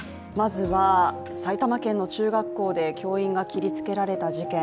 埼玉県の中学校で教員が切りつけられた事件。